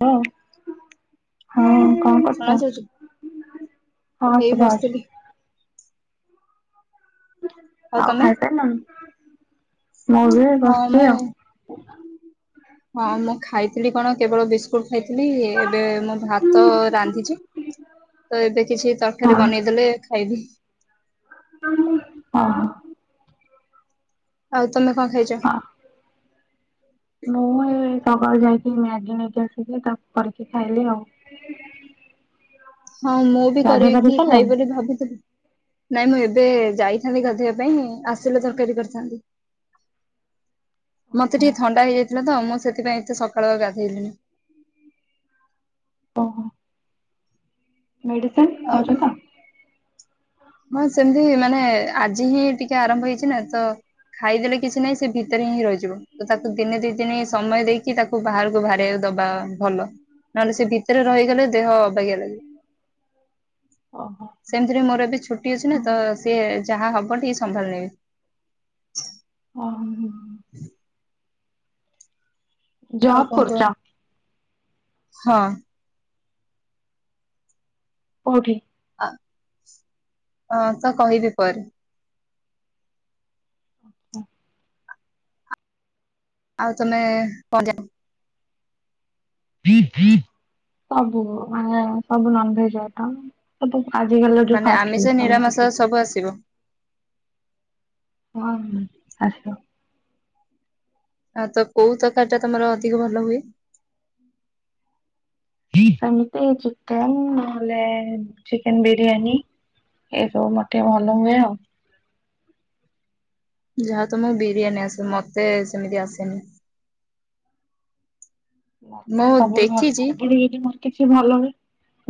ହ ହଁ କଣ କରୁଚ? ହଁ ଏଇ ସୁଭା ହୋଉଚି। ବସିଥିଲି ଆଉ ଖାଇ ସାରିଲଣି? ମୁଁ ବି ହଁ ବସିଚି ମୁଁ ଆଉ। ହଁ ମୁଁ ଖାଇଥିଲି କଣ କେବଳ ବିସ୍କୁଟ ଖାଇଥିଲି। ଏବେ ମୋ ଭାତ ରାନ୍ଧିଚି। ତ ଏବେ କିଛି ତରକାରୀ ହଁ ବନେଇଦେଲେ ଖାଇବି। [inaudible] ଆଉ ତମେ କଣ ଖାଇଚ। ହଁ। ମୁଁ ଏଇ ସକାଳୁ ଯାଇକି ମ୍ୟାଗି ନେଇକି ଆସିକି ତା କରିକି ଖାଇଲି ଆଉ। ହଁ ମୁଁ ବି ଗାଧେଇ ପାଧେଇ କରିକି ଖାଇବି ସାରିଲଣି? ବୋଲି ଭାବୁଥିଲି। ନାଇଁ ମୁଁ ଏବେ ଯାଇଥାନ୍ତି ଗାଧୋଇବା ପାଇଁ ଆସିଲେ ତରକାରୀ କରିଥାନ୍ତି। ମତେ ଟିକେ ଥଣ୍ଡା ହେଇଯାଇଥିଲା ତ ମୁଁ ସେଥିପାଇଁ ଏତେ ସକାଳୁ ଆଉ ଗାଧେଇଲିନି। ଓହୋ। ମେଡିସିନ ଆଉ କଣ? ଖାଉଚ ତ? ହଁ ସେମିତି ମାନେ ଆଜି ହିଁ ଟିକେ ଆରମ୍ଭ ହେଇଚିନା ତ ଖାଇଦେଲେ କିଛି ନାହିଁ ସେ ଭି ତରେ ହିଁ ରହିିଯିବ। ତ ତାକୁ ଦିନେ ଦି ଦିନ ସମୟ ଦେଇକି କି ତାକୁ ବାହାରକୁ ବାହାର ଦବା ଭଲ ନହେଲେ ସେ ଭିତରେ ରହିଗଲେ ଦେହ ଅ ବାଗିଆ ଲାଗିବ। ଓହୋ ସେମିତିରେ ମୋର ବି ଛୁଟି ଅଛି ନା ତ ସିଏ ଯାହା ହବ ଟିକେ ସମ୍ଭାଳି ନେବି। ଓ ହ ହୁଁ। ହଁ ଆଉ ଜବ୍ କଣ କରୁଛ କୁହ? ହଁ। କୋଉଠି? ଅ ତ କହିବି ପରେ। ଆଚ୍ଛା। ଆଉ ତମେ ପ- ସବୁ ମାନେ ସବୁ ନନଭେଜ୍ [unintelligible] ଆ ତୁ ଆଜି କାଲିର ଯଉ ମାନେ ଫାଷ୍ଟ୍ ଆମିଷ ଫୁଡ ଖାଉଚୁ ନିରାମିଷ ତୁ। ସବୁ ଆସିବ। ହଁ-ଆସିବ। ଆଁ ତ କଉ ତରକାରୀ ଟା ତମର ଅଧିକ ଭଲ ହୁଏ? ଏମିତି ଚିକେନ୍ ନ ହେଲେ ଚିକେନ୍ ବିରିୟାନୀ ଏଇ ସବୁ ମର୍ ଟିକେ ଭଲ ହୁଏ ଆଉ। ଯାହଉ ତମକୁ ବିରିୟାନୀ ଆସେ ମତେ ସେମିତି ଆସେନି। ମତେ ମୁଁ ସବୁଠୁ ଭଲ ଦେଖିଛି ସବୁଠି ମୋର କିଛି ଭଲ ହୁଏ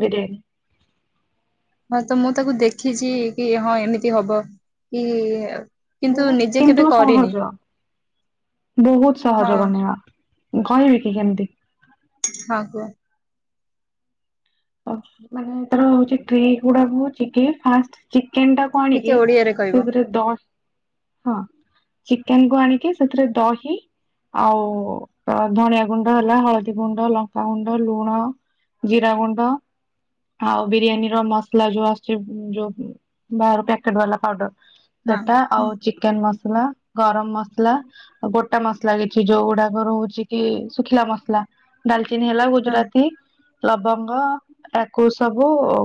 ବିରିୟାନୀ। ହଁ-ତ ମୁଁ ତାକୁ ଦେଖିଚି କି ହଁ ଏମିତି ହବ କି କିନ୍ତୁ ବହୁତ୍ ନିଜେ କେବେ କିନ୍ତୁ କରିନି ସହଜ ବହୁତ୍ ହଁ ସହଜ ବନେଇବା। କହିବି କି କେମତି? ହଁ କୁହ। ହ ମାନେ ତାର ହଉଚି ଟ୍ରିକ୍ ଗୁଡାକ ହଉଚି କି ଫାଷ୍ଟ ଚିକେନ୍ ଟାକୁ ଆଣିକି ଟିକେ ଓଡିଆରେ କହିବ ସେଥିରେ ଦହ୍- ହଁ। ଚିକେନ୍ କୁ ଆଣିକି ସେଥିରେ ଦହି ଆଉ ଧଣିଆ ଗୁଣ୍ଡ ହେଲା ହଳଦୀ ଗୁଣ୍ଡ, ଲଙ୍କା ଗୁଣ୍ଡ, ଲୁଣ ଜିରା ଗୁଣ୍ଡ ଆଉ ବିରିୟାନୀର ମସଲା ଯଉ ଆସୁଚି ଯଉ ବାହର ପ୍ୟାକେଟ୍ ବାଲା ପାଉଡର୍। ହଁ ସେଟା ହୁଁ ଆଉ ଚିକେନ୍ ମସଲା, ଗରମ୍ ମସଲା ଆଉ ଗୋଟା ମସଲା କିଛି ଯଉ ଗୁଡାକ ରହୁଚି କି ଶୁଖିଲା ମସଲା ଡାଲଚିନି ହେଲା ହଁ ଗୁଜୁରାତି, ଲବଙ୍ଗ୍ ବ ୟାକୁ ସବୁ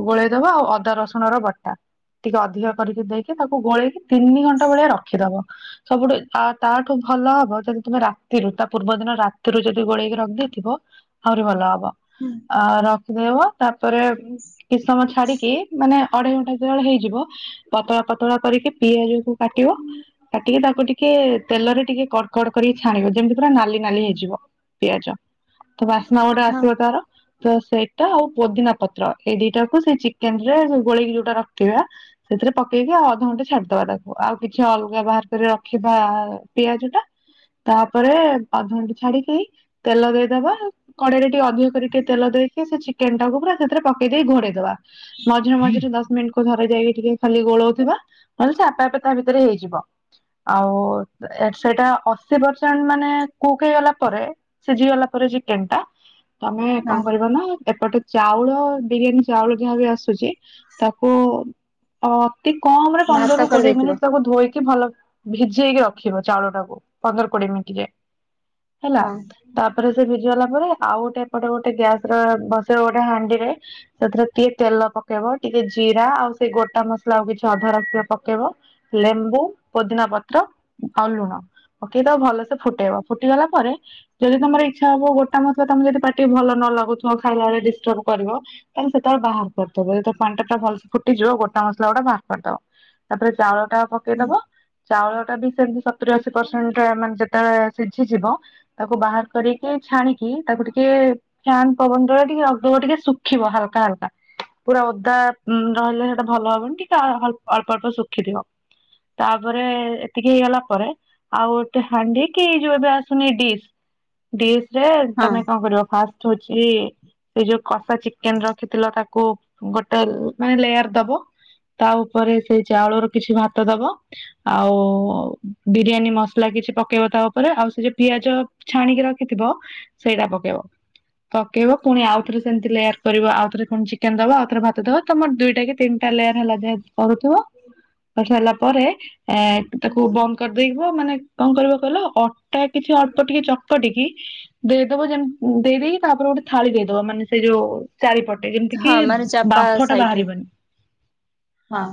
ଗୋଳେଇ ଦବ ଆଉ ଅଦା ରସୁଣ ର ବଟା ଟିକେ ଅଧିକ କରିକି ଦେଇକି ତାକୁ ଗୋଳେଇକି ତିନି ଘଣ୍ଟା ଭଳିଆ ରଖି ଦବ। ସବୁଠୁ ଆ- ତାଠୁ ଭଲ ହବ ଯଦି ତମେ ରାତିରୁ ତା ପୂର୍ବ ଦିନ ରାତିରୁ ଯଦି ଗୋଳେଇ କି ରଖି ଦେଇଥିବ ଆହୁରି ଭଲ ହବ ହୁଁ ଅ-ରଖିଦେବ ତା ପରେ କିଛି ସମୟ ଛାଡିକି ମାନେ ଅଢେଇ ଘଣ୍ଟା ଯେତେବେଳେ ହେଇଯିବ ପତଳା ପତଳା କରିକି ପିଆଜ କୁ କାଟିବ କାଟି କି ତାକୁ ଟିକେ ତେଲରେ ଟିକେ କଡ୍ କଡ୍ କରି ଛାଣିବ ଯେମିତି ପୁରା ନାଲି ନାଲି ହେଇଯିବ। ପିଆଜ ତ ବାସ୍ନା ଗୋଟେ ହଁ ଆସିବ ତାର ତ ସେଇ ତା-ଆଉ ପୋଦିନା ପତ୍ର ଏଇ ଦିଟା କୁ ସେଇ ଚିକେନ୍ ରେ ଗୋଳେଇକି ଯଉଟା ରଖିଥିବେ ସେଥିରେ ପକେଇକି ଆଉ ଅଧ ଘଣ୍ଟେ ଛାଡି ଦବା ତାକୁ ଆଉ କିଛି ଅଲଗା ବାହାର କରି ରଖିବା ପିଆଜ ଟା ତା ପରେ ଅଧ ଘଣ୍ଟେ ଛାଡିକି ତେଲ ଦେଇଦବା କଡେଇରେ ଟିକେ ଅଧିକ କରିକି ତେଲ ଦେଇକି ସେ ଚିକେନ୍ ଟାକୁ ପୁରା ସେଥିରେ ପକେଇ ଦେଇ ଘୋଡେଇଦବା। ମଝିରେ ମଝିରେ ଦଶ ମିନିଟ୍ ଥରେ ଯାଇକି ଟିକେ ଖାଲି ଗୋଳଉ ଥିବା ନ ହେଲେ ସେ ଆପେ ଆପେ ତା ଭିତରେ ହେଇଯିବ। ଆଉ ସେ-ସେଇଟା ଅଶୀ ପରସେଣ୍ଟ୍ ମାନେ କୁକ୍ ହେଇଗଲା ପରେ ସିଜିଗଲା ପରେ ଚିକେନ୍ ଟା ତମେ ହଁ କଣ କରିବ ନା ଏପଟେ ଚାଉଳ ବିରିୟାନୀ ଚାଉଳ ଯାହା ବି ଆସୁଚି ତାକୁ ଅ -ଅତି କମ୍ ରେ ଭାତ ପନ୍ଦରରୁ କୋଡିଏ କରିଦେଇଥିବ ମିନିଟ୍ ତାକୁ ଧୋଇକି ଭଲ ଭିଜେଇକି ରଖିବ ଚାଉଳଟାକୁ ପନ୍ଦର କୋଡିଏ ମିନିଟ୍ ଯାଏ। ହେଲା ହଁ ତାପରେ ସେ ଭିଜି ଗଲା ପରେ ଆଉ ଗୋଟେ ଏପଟେ ଗୋଟେ ଗ୍ୟାସ୍ ର-ବସେଇବ ଗୋଟେ ହାଣ୍ଡିରେ ସେଥିରେ ଟିକେ ତେଲ ପକେଇବ ଟିକେ ଜିରା ଆଉ ସେଇ ଗୋଟା ମସଲା ଆଉ କିଛି ଅଧା ରଖିଥିବ ପକେଇବ ଲେମ୍ବୁ, ପୋଦିନା ପତ୍ର, ଆଉ ଲୁଣ ପକେଇ ଦବ ଭଲସେ ଫୁଟେଇବ ଫୁଟିଗଲା ପରେ ଯଦି ତମର ଇଚ୍ଛା ହବ ଗୋଟା ମସଲା ତମେ ଯଦି ପାଟିକି ଭଲ ନ ଲାଗୁଥିବ ଖାଇଲା ବେଳେ ଡିଷ୍ଟର୍ବ କରିବ ଏମତି ସେତେବେଳେ ବାହାର କରିଦବ ଯତେବେଳେ ପାଣି ଟା ପୁରା ଭଲସେ ଫୁଟିଯିବ ଗୋଟା ମସଲା ଗୁଡା ବାହାର କରିଦବ। ତା ପରେ ଚାଉଳ ଟା ପକେଇ ହୁଁ ଦବ ଚାଉଳ ଟା ବି ସେମତି ସତୁରି ଅଶୀ ପରସେଣ୍ଟ ମାନେ ଯେତେବେଳେ ସିଝିଯିବ ତାକୁ ବାହାର କରିକି ଛାଣିକି ତାକୁ ଟିକେ ଫ୍ୟାନ ପବନ ଦେବେ ଟିକେ ଅଳ୍ପ, ଅଳ୍ପ ଶୁଖିବ ହାଲକା ହାଲକା। ପୁରା ଓଦା ରହିଲେ ହେଟା ଭଲ ହବନି ଟିକେ ଅଳ୍ପ ଅଳ୍ପ ଶୁଖି ଥିବ। ତାପରେ ଏତିକି ହେଇଗଲା ପରେ ଆଉ ଗୋଟେ ହାଣ୍ଡି କି ଏଇ ଯୋଉ ଏବେ ଆସୁନି ଡିସ୍ ଡିସ ରେ ହଁ ତମେ କଣ କରିବ ଫାଷ୍ଟ ହଉଛି ସେ ଯୋଉ କଷା ଚିକେନ ରଖିଥିଲ କା କୁ ଗୋଟେ ମାନେ ଲେୟାର ଦବ ତା ଉପରେ ସେଇ ଚାଉଳରୁ କିଛି ଭାତ ଦବ। ଆଉ ବିରିୟାନୀ ମସଲା କିଛି ପକେଇବ ତା ଉପରେ। ଆଉ ସେ ଯଉ ପିଆଜ ଛାଣିକି ରଖିଥିବ ସେଇଟା ପକେଇବ। ପକେଇବ ପୁଣି ଆଉଥରେ ସେମିତି ଲେୟାର କରିବ। ଆଉଥରେ ପୁଣ ଚିକେନ ଦବ ଆଉ ଥରେ ଭାତ ଦବ ତମର ଦୁଇଟା କି ତିନ ତା ଲେୟାର ହେଲା ଯାଏ କରୁଥିବ। କରି ସାରିଲା ପରେ ଏ ତାକୁ ବନ୍ଦ କରିଦେଇଥିବ, ମାନେ କଣ କରିବ କହିଲ ଅଟା କିଛି ଅଳ୍ପ ଟିକେ ଚକଟିକି ଦେଇଦବ ଯେମି ଦେଇଦେଇକି ତାପରେ ଗୋଟେ ଥାଳି ଦେଇଦବ ମାନେ ସେ ଯୋଉ ଚାରିପଟେ ଯେମିତି କି ହଁ ମାନେ ଚାପା ବାମ୍ଫ ଟା ସାଇଡରେ ବାହାରିବନି। ହଁ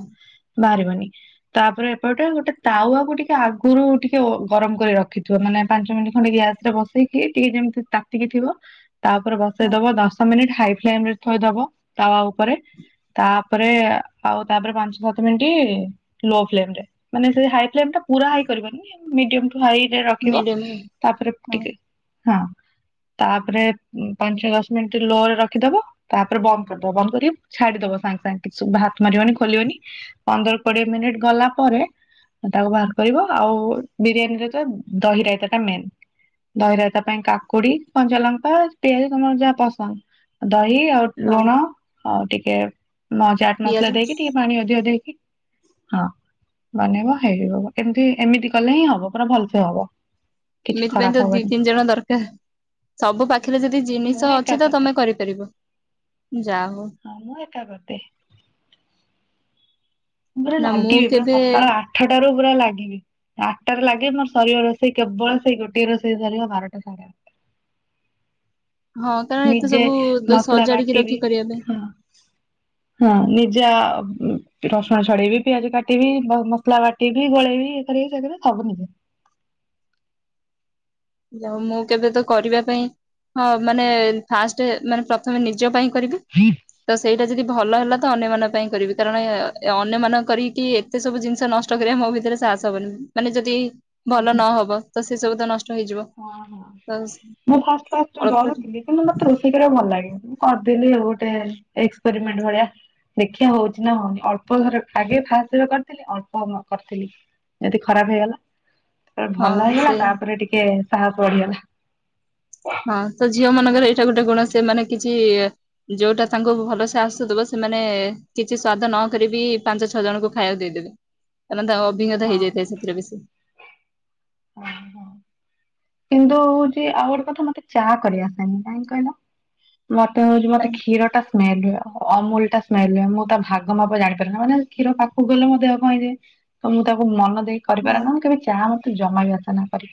ବାହାରିବନି। ତାପରେ ଏପଟେ ଗୋଟେ ତାୱାକୁ ଟିକେ ଆଗରୁ ଟିକେ ଗରମ କରି ରଖିଥିବ ମାନେ ପାଞ୍ଚ ମିନିଟ୍ ଖଣ୍ଡେ ଗ୍ୟାସ ବସେଇକି ଟିକେ ଯେମିତି ତାତିକି ଥିବ ତାପରେ ବସେଇ ହଁ ଦବ ଦଶ ମିନିଟ୍ ହାଇ ଫ୍ଲେମ ରେ ଥୋଇଦବ ତାୱ ଉପରେ। ତାପରେ ଆଉ ତାପରେ ପାଞ୍ଚ ସାତ ମିନିଟି ଲୋ ଫ୍ଲେମ୍ରେ ମାନେ ସେଇ ପୁରା ହାଇ ଫ୍ଲେମ୍ କରିବନି ମିଡିଅମ ହାଇରେ ରଖିବ ମିଡିୟମ ତାପରେ ହଁ ଟିକେ ହଁ ତାପରେ ପାଞ୍ଚ ଦଶ ମିନିଟ୍ ଲୋ ରେ ରଖିଦବ। ତାପରେ ବନ୍ଦ କରିଦବ ବନ୍ଦ କରିକି ଛାଡିଦବ ସାଙ୍ଗେ ସାଙ୍ଗେ କିଛିବି ହାତ ମାରିବନି ଖୋଲିବନି। ପନ୍ଦର କୋଡିଏ ମିନିଟ୍ ଗଲା ପରେ ତାକୁ ବାହାର କରିବ ଆଉ ବିରିୟାନୀରେ ତ ଦହି ରାଇତା ଟା ମେନ୍ ଦହି ରାଇତା ପାଇଁ କାକୁଡି କଞ୍ଚାଲଙ୍କା ପିଆଜ ତମର ଯାହା ପସନ୍ଦ ଦହି ଆଉ ହଁ ଲୁଣ ଆଉ ଟିକେ ମା ଚାଟ୍ ମସଲା ପିଆଜ ଦେଇକି ଟିକେ ପାଣି ଅଧିକ ଦେଇକି ହଁ ବନେଇବ ହେଇିଯିବ ଏମତି ଏମିତି କଲେ ହିଁ ହବ ପୁରା ଭଲସେ ହବ। କିଛି ଏମିତି ପାଇଁ ଖରାପ ତ ଦି ହବନି ତିନି ଜଣ ଦରକାର। ସବୁ ପା ଖରେ ଯଦି ମୁଁ ଜିନିଷ ଏକା ଅଛି ତ କରିଦିଏ ତମେ କରିପାରିବ। ଯା ହଉ ହଁ ମୁଁ ଏକା କରିଦିଏ। ପୁରା ନା ମୁଁ ଲାଗିବି ପୁରା କେବେ ସକାଳ ଆଠଟାରୁ ପୁରା ଲାଗିବି। ଆଠଟାରେ ଲାଗେ ମୋର ସରିବ ରୋଷେଇ କେବଳ ସେଇ ଗୋଟେ ରୋଷେଇ ସରିବ ବାରଟା ସାଢେ ବା ହଁ କାରଣ ଏତେ ନିଜେ ସବୁ ମସଲା ସଜାଡିକି ବାଟିବି। ରଖି କରିବା ପାଇଁ ହଁ ହଁ ନିଜ ରସୁଣ ଛଡେଇବି, ପିଆଜ କାଟିବି, ମସଲା ବା ଟିବି ଗୋଳେଇ ଏଇ କରିବି ସିଏ କରିବି ସବୁ ନିଜେ। ଯଉ ମୁଁ କେବେ ତ କରିବା ପାଇଁ। ହଁ ମାନେ ଫାଷ୍ଟ ମାନେ ପ୍ରଥମେ ନିଜ ପାଇଁ କରିବି [unintelligible] ତ ସେଇଟା ଯଦି ଭଲ ହେଲା ତ ଅନ୍ୟମାନଙ୍କ ପାଇଁ କରିବି। କାରଣ ଅନ୍ୟମାନ କରିକି ସେ ସବୁ ଜିନିଷ ନଷ୍ଟ କରିବା ମୋ ଭିତରେ ସାହସ ହବନି। ମାନେ ଯଦି ଭଲ ନହବ ତ ସେ ସବୁ ତ ନ ହଁ ହଁ ମୁଁ ଫାଷ୍ଟ ଫାଷ୍ଟ ଅଳ୍ପ ଡରୁଥିଲି। କିନ୍ତୁ ମତେ ରୋଷେଇ କରିବା ଭଲ ଲାଗେ ମୁଁ କରିଦେଲି ଗୋଟେ ଏକ୍ସପେରିମେଣ୍ଟ ଭଳିଆ। ଦେଖିବା ହଉଛି ନା ହଉନି ଅଳ୍ପ ଥରେ ଆଗେ ଫାଷ୍ଟ୍ କରିଥିଲି ଅଳ୍ପ କରିଥିଲି। ଯଦି ଖରାପ ହେଇଗଲା ତାପରେ ହଁ ଭଲ ହେଇଗଲା ସେଇଆ ତାପରେ ଟିକେ ସାହସ ବଢିଗଲା। ହଁ ତ ଝିଅ ମାନଙ୍କର ଏଇଟା ଗୋଟେ ଗୁଣ ସେମାନେ କିଛି ଯୋଉଟା ତାଙ୍କୁ ଭଲସେ ଆସୁଥିବ ସେମାନେ କିଛି ସ୍ଵାଦ ନକରିକି ବି ପାଞ୍ଚ ଛଅ ଜଣଙ୍କୁ ଖାଇବାକୁ ଦେଇଦେବେ। ତା ମାନେ ତା ଅଭିଜ୍ଞତା ହଁ ହେଇଯାଇଥାଏ ସେଥିରେ ବେଶି। ହଁ ହଁ। କିନ୍ତୁ ହଉଛି ଆଉ ଗୋଟେ କଥା ମତେ ଚା କରିଆସେନି କାଇଁ କହିଲ, ମତେ ହଉଛି ମତେ କ୍ଷୀର ଟା ସ୍ମେଲ ହୁଏ ଅମୁଲ ଟା ସ୍ମେଲ ହୁଏ ମୁଁ ତା ଭାଗ ମାପ ଜାଣିପାରେନା ମାନେ କ୍ଷୀର ପାଖକୁ ଗଲେ ମୋ ଦେହ କଣ ହେଇଯାଏ। ତ ମୁଁ ତାକୁ ମନ ଦେଇକି ହଁ କରିପାରେନା କେବେ ଚାହା ମତେ ଜମାବି ଆସେନା କରି।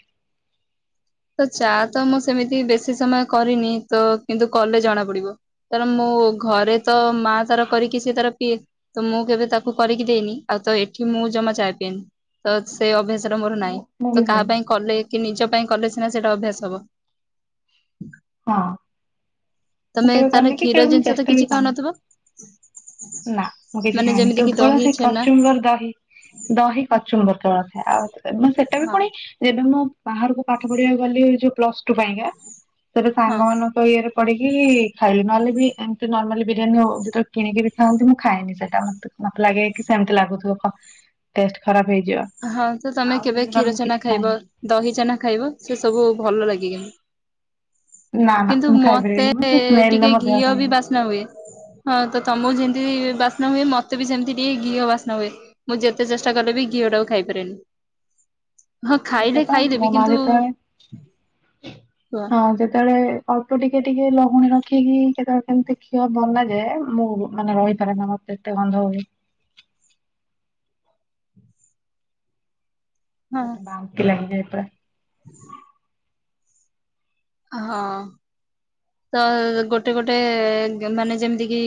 ତ ଚା ତ ମୁଁ ସେମିତି ବେଶୀ ସମୟ କରିନି ତ କିନ୍ତୁ କଲେ ଜଣା ପଡିବ। ତାପରେ ମୁଁ ଘରେ ତ ମା ତାର କରିକି ସେ ତାର ପିଏ। ତ ମୁଁ କେବେ ତାକୁ କରିକି ଦେଇନି ଆଉ ତ ଏଠି ମୁଁ ଜମା ଚାହା ପିଏନି। ତ ସେ ଅଭ୍ୟାସର ମୋର ନାହିଁ ମୁଁ ମୁଁ ତ ବି ସେଇ। କାହା ପାଇଁ କଲେ କି ନିଜ ପାଇଁ କଲେ ସିନା ସେଟା ଅଭ୍ୟାସ ହବ। ହଁ। ମୁଁ ତମେ କେବେ ତାହାଲେ କରିନି କି କ୍ଷୀର କେବେ ମୁଁ ଜିନିଷ ତ ଚେଷ୍ଟା ବି କିଛି କରିନି ଖାଉନଥିବ? ନା ମୁଁ କିଛି ମାନେ ଖାଏନି ଯେମିତି କିି କେବଳ ଦହି ସେ ଛେନା କଚୁମ୍ବର ଦହି ଦହି କଚୁମ୍ବର କେବଳ ଖାଏ ଆଉ ମୁ ସେଟା ବି ହଁ। ପୁଣି ଯେବେ ମୁଁ ବାହାରକୁ ପାଠ ପଢିବାକୁ ଗଲି ଯୋଉ ପ୍ଲସ ଟୁ ପାଇଁକା ସେବେ ହଁ ସାଙ୍ଗମାନଙ୍କ ଇଏରେ ପଡିକି ଖାଇଲି ନହେଲେ ବି ଏମିତି ନର୍ମାଲି ବିରିୟାନୀ ହଉ ଯେତେବେଳେ କିଣିକି ବି ଖାଆନ୍ତି ମୁଁ ଖାଏନି ସେଟା ମତେ ମତେ ଲାଗେ କି ସେମିତି ଲାଗୁଥିବ କ ଟେଷ୍ଟ ଖରାପ ହେଇଯିବ। ହଁ ତ ତମେ ଆଉ କେବେ ସେମିତି ନହେଲେ ମୁଁ କ୍ଷୀରଛେନା କିଛି ଖାଇବ ଖାଏନି ଦହିଛେନା ଖାଇବ ସେ ସବୁ ଭଲ ଲାଗେ କିିନ୍ତୁ। ନା ନା କିନ୍ତୁ ମୁଁ ମତେ ଖାଇପାରିବିନି ମୁଁ ସେ ସ୍ମେଲରେ ଟିକେ ମୋ ଦେହ ଘିଅ କଣ ବି ବାସ୍ନା ହୁଏ। ହଁ ତ ତମକୁ ଯେମିତି ବାସ୍ନା ହୁଏ ହଁ ମତେ ବି ସେମିତି ଟିକେ ଘିଅ ବାସ୍ନା ହୁଏ। ମୁଁ ଯେତେ ଚେଷ୍ଟା କଲେ ବି ଘିଅ ଟାକୁ ଖାଇପାରେନି। ହଁ ଖାଇଲେ ସେଇଆପା ମୋ ଖାଇଦେବି ମା କିନ୍ତୁ ଯେତେବେଳେ ହଁ ଯେତେବେଳେ ଅଳ୍ପ ଟିକେ ଟିକେ ଲହୁଣୀ ରଖିକି କେତେବେଳେ ଏମିତି ଘିଅ ବନା ଯାଏ ମୁଁ ମାନେ ରହିପାରେନା ମତେ ଏତେ ଗନ୍ଧ ହୁଏ। ମତେ ବାନ୍ତି ଲାଗେ ପା। [inaudible] ହଁ। ତ ଗୋଟେ ଗୋଟେ ମାନେ ଯେମିତି କି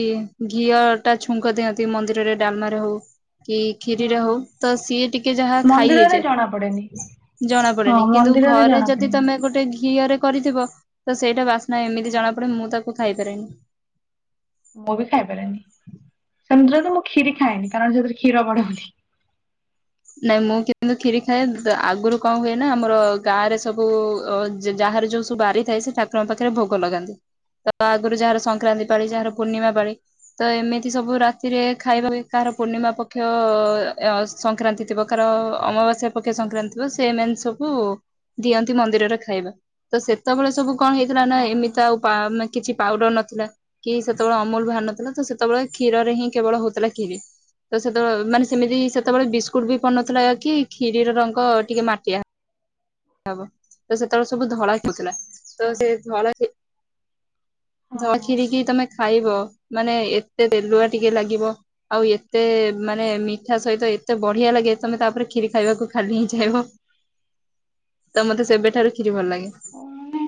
ଘିଅଟା ଛୁଙ୍କ ଦିଅନ୍ତି। ସେ ମନ୍ଦିରରେ ଡାଲମାରେ ହଉ କି ହଁ କ୍ଷୀରିରେ ହଁ ହଉ ତ ସିଏ ଟିକେ ଯାହା ଖାଇ ମନ୍ଦିରରେ ଜଣା ପଡେନି ହେଇଯାଏ। ଜଣା ହଁ ପଡେନି କିନ୍ତୁ ମନ୍ଦିରରେ ଘରେ ଜଣା ଯଦି ପଡେନି। ତମେ ଗୋଟେ ଘି ଘିଅରେ କରିଥିବ ତ ସେଇଟା ବାସ୍ନା ଏମିତି ହଁ। ଜଣା ପଡେ ମୁଁ ତାକୁ ଖାଇପାରେନି। ମୁଁ ବି ଖାଇପାରେନି ସେମିତିରେ ତ ମୁଁ କ୍ଷୀରି ଖାଏନି କାରଣ ସେଥିରେ କ୍ଷୀର ପଡ଼େ ବୋଲି। ନାଇଁ ମୁଁ କିନ୍ତୁ କ୍ଷୀରି ଖାଏ ଆଗରୁ କଣ ହୁଏ ନା ଆମର ଗାଁରେ ସବୁ ଅ ଯାହାର ଯୋଉ ଯୋଉ ବାରି ଥାଏ ସେ ଠାକୁରଙ୍କ ପାଖରେ ଭୋଗ ଲଗାନ୍ତି ତ ତା ଆଗରୁ ଯାହାର ସଂକ୍ରାନ୍ତି ପାଳି ହଁ ଯାହାର ହଁ ପୂର୍ଣ୍ଣିମା ପାଳି ତ ଏମିତି ସବୁ ରାତିରେ ଖାଇବା କାହାର ପୂର୍ଣ୍ଣିମା ପକ୍ଷ ଅ ସଂକ୍ରାନ୍ତି ଥିବ କାହାର ଅମାବାସ୍ୟା ପକ୍ଷେ ସଂକ୍ରାନ୍ତି ଥିବ ସେମାନେ ସବୁ ଦିଅନ୍ତି ମନ୍ଦିରରେ ଖାଇବା। ତ ସେତେବେଳେ ସବୁ କଣ ହେଇଥିଲା ନା ହଁ ହଁ ଏମିତି ଆଉପା ଆମେ କିଛି ପାଉଡର ନଥିଲା କି ସେତେବେଳେ ଅମୁଲ ବାହାର ନଥିଲା ତ ସେତେବେଳେ କ୍ଷୀରରେ ହିଁ କେବଳ ହଉଥିଲା କ୍ଷୀରି। ତ ସେତେବେଳେ ମାନେ ସେମିତି ସେତେବେଳେ ବିସ୍କୁଟ ବି ପଡିନଥିଲା କି ଖିରିର ରଙ୍ଗ ଟିକେ ମାଟିଆ। ହବ ତ ସେତେବେଳେ ସବୁ ଧଳା ହୋଉଥିଲା ତ ହଁ ସେ ଧଳା ଧଳା ହଁ। ଖିରିକି ତମେ ଖାଇବ ମାନେ ଏତେ ତେଲୁଆ ଟିକେ ଲାଗିବ। ଆଉ ଏତେ ମାନେ ମିଠା ସହିତ ଏତେ ବଢିଆ ଲାଗେ ତମେ ତାପରେ କ୍ଷୀରି ଖାଇବାକୁ ଖାଲି ହିଁ କହିବ। ତ ମତେ ସେବେଠାରୁ ଖିରି ଭଲଲାଗେ। ହଁ। ମାନେ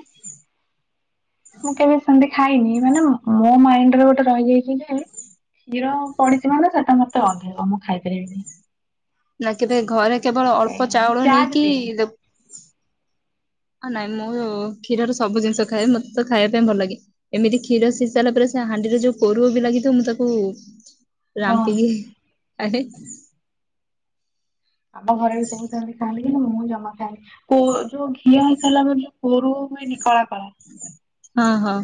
ମୁଁ କେବେ ସେମିତି ଖାଇନି ମାନେ ମୋ ମାଇଣ୍ଡରେ ଗୋଟେ ରହିଯାଇଛି କି ଯେ କ୍ଷୀର ପଡିଛି ମାନେ ସେଟା ମତେ ଅଧିକ ମୁଁ ଖାଇପାରିବିନି। ନା କେବେ ଘରେ କେବଳ ଏଇଆ ଅଳ୍ପ ମୁଁ ଚାଉଳ ଚା ବି ନେଇକି ପିଏନି। ହଁ ନାଇଁ ମୁଁ କ୍ଷୀରର ସବୁ ଜିନିଷ ଖାଏ ମତେ ତ ଖାଇବା ପାଇଁ ଭଲଲାଗେ। ଏମିତି କ୍ଷୀର ସିଝିସାରିଲା ପରେ ସେ ହାଣ୍ଡିରେ ଯୋଉ କୋରୁଅବି ଲାଗିଥିବ ମୁଁ ତାକୁ ହଁ ରାମ୍ପିକି ଆରେ ଆମ ଘରେ ବି ସବୁ ସେମତି ଖାଆନ୍ତି କିନ୍ତୁ ମୁଁ ଜମା ଖାଏନି। କରୁଅ, ଘିଅ ହେଇସାରିଲା ପରେ ଯୋଉ କରୁଅ ହୁଏନି କଳା କଳା ହଁ, ହଁ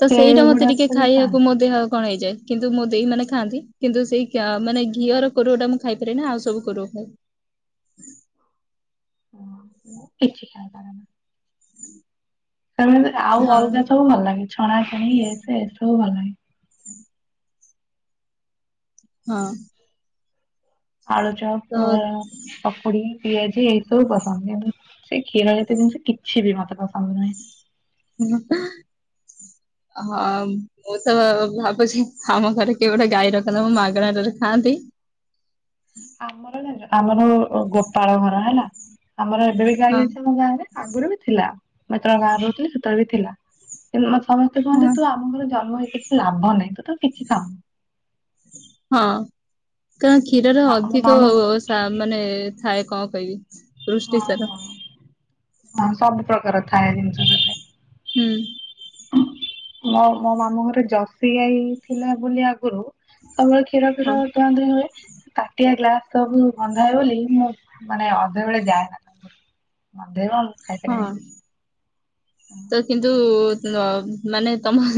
ତ ସେଇଟା ମତେ ଟିକେ ସେଇଗୁଡାକୁ ବି ଖାଇବାକୁ ମୋ ଖାଆନ୍ତି। ଦେହ କଣ ହେଇଯାଏ କିନ୍ତୁ ମୋ ଦେଇମାନେ ଖାଆନ୍ତି କିନ୍ତୁ ସେଇ ମାନେ ଘିଅର କୋରୁଅ ଟା ମୁଁ ଖାଇପାରେନା ଆଉ ସବୁ କୋରୁଅ ଖାଏ। ନା ମୁଁ କିଛି ଖାଇ ପାରେନା। ତାମାନେ ଆଉ ହଁ ଅଲଗା ସବୁ ଭଲ ଲାଗେ ଛଣାଛଣି ଇଏ ସିଏ ଏସବୁ ଭଲ ଲାଗେ। ଚିଂ ହଁ। ଆଳୁଚପ, ପକୁଡି, ପିଆଜି, ଏଇ ସବୁ ପସନ୍ଦ କିନ୍ତୁ ସେ କ୍ଷୀର ରେ ତିଆରି ଜିନିଷ କିଛି ବି ମତେ ପସନ୍ଦ ନାହିଁ। ହମ୍। ମୁଁ ତ ଭାବୁଛି ଆମ ଘରେ କିଏ ଗୋଟେ ଗାଈ ରଖନ୍ତା ମୁଁ ମାଗଣାଟାରେ ଖାଆନ୍ତି। ଆମର ଜାଣିଛ ଆମର ଗୋପାଳ ଘର ହେଲା ଆମର ଏବେ ବି ଗାଈ ହଁ ଅଛି ଆମ ଗାଁରେ ଆଗରୁ ବି ଥିଲା, ଯେତେବେଳେ ବାହାରେ ରହୁିଥିଲି ସେତବେଳେ ବି ଥିଲା। ସମସ୍ତେ କୁହନ୍ତି ହଁ ତୁ ଆମ ଘର ଜନ୍ମ ହେଇ କିଛି ଲାଭ ନାହିଁ ତୁ ତ କିଛି ଖାଉନୁ। ହଁ କାରଣ କ୍ଷୀରରେ ଆ ଆମ ଅଧିକ ମାମୁଁ ତା ମାନେ ଥାଏ କଣ କହିବି? ହଁ ପୃଷ୍ଟିସାର ହଁ ହଁ ସବୁ ପ୍ରକାର ଥାଏ ଜିନିଷ [unintelligible] ହୁଁ। ହଁ ହଁ ମୋ ମାମୁଁ ଘରେ ଜର୍ଷି ଗାଇ ଥିଲା ବୋଲି ଆଗରୁ ସବୁବେଳେ କ୍ଷୀର ହଁ ଫିର ହଉଛି। ଦୁଆଁ ଦୁଇଁ ହୁଏ ତାଟିଆ ଗ୍ଲାସ ସବୁ ଗନ୍ଧାଏ ବୋଲି ମୁଁ ମାନେ ଅଧେବେଳେ ଯାଏନା ଗନ୍ଧେଇବ। ହଁ ଖାଇପାରିବିନି କିଛି। ତ କିନ୍ତୁ ମାନେ ତମ